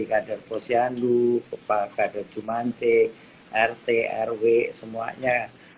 di kader posyandu pada jumante rt rw semuanya